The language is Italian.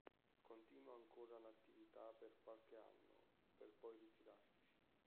Continua ancora l'attività per qualche anno, per poi ritirarsi.